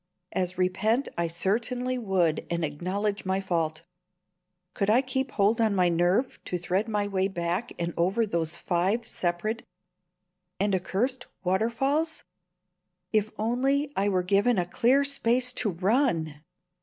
As repent I certainly would and acknowledge my fault. Could I keep hold on my nerve to thread my way back and over those five separate and accursed waterfalls? If only I were given a clear space to run!